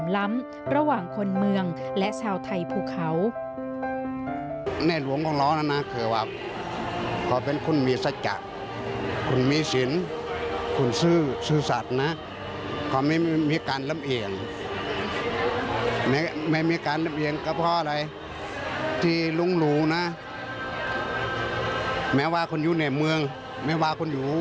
และเศร้าไทยภูเขา